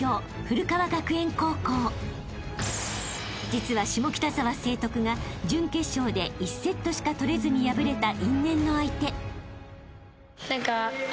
［実は下北沢成徳が準決勝で１セットしか取れずに敗れた］